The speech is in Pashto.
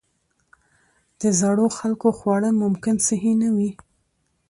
د زړو خلکو خواړه ممکن صحي نه وي.